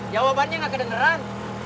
jawabannya gak kedengeran